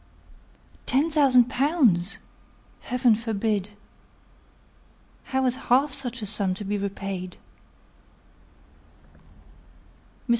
"Ten thousand pounds! Heaven forbid! How is half such a sum to be repaid?"